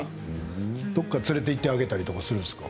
どこか連れていってあげたりするんですか。